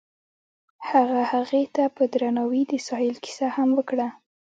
هغه هغې ته په درناوي د ساحل کیسه هم وکړه.